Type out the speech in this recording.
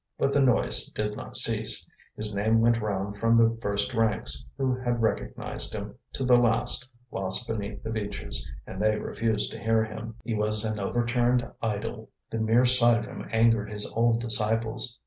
But the noise did not cease; his name went round from the first ranks, who had recognized him, to the last, lost beneath the beeches, and they refused to hear him; he was an overturned idol, the mere sight of him angered his old disciples.